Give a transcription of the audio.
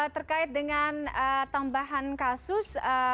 terkait dengan tambahan kasus